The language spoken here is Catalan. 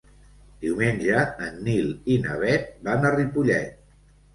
Diumenge en Nil i na Bet van a Ripollet.